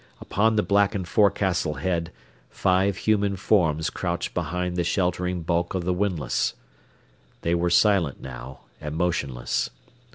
Upon the blackened forecastle head, five human forms crouched behind the sheltering bulk of the windlass. They were silent now and motionless.